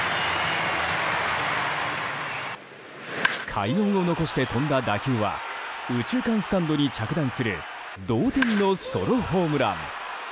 快音を残して飛んだ打球は右中間スタンドに着弾する同点のソロホームラン！